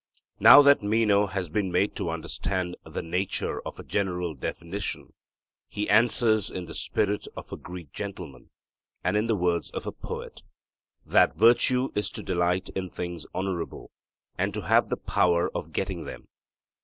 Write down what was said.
Now that Meno has been made to understand the nature of a general definition, he answers in the spirit of a Greek gentleman, and in the words of a poet, 'that virtue is to delight in things honourable, and to have the power of getting them.'